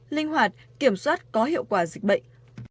linh hoạt kiểm soát có hiệu quả dịch bệnh